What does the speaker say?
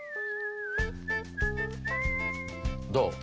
どう？